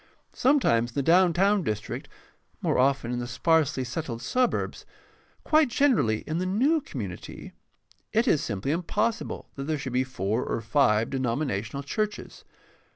Sometimes in the down town district, more often in the sparsely settled suburbs, quite generally in the new community, it is simply impossible that there should be four or five denominational churches.